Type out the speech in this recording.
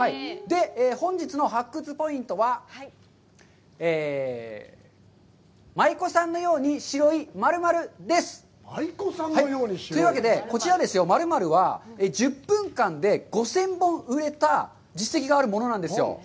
本日の発掘ポイントは、舞妓さんのように白い○○です。というわけで、こちら○○は、１０分間で５０００本売れた実績があるものなんですよ。